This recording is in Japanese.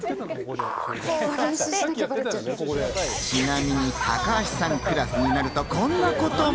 ちなみに高橋さんクラスになると、こんなことも。